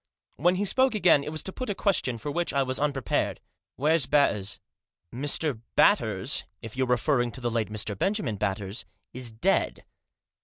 When he spoke again it was to put a question for which I was unprepared. " Where's Batters ?"" Mr. Batters — if you are referring to the late Mr. Benjamin Batters — is dead."